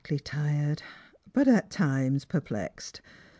tlv tired, but at times perplexed.